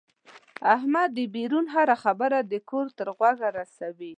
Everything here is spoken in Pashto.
احمد دبیرون هره خبره د کور تر غوږه رسوي.